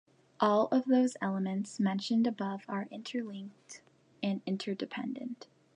All of those elements mentioned above are interlinked and interdependent.